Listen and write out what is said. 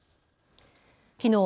きのう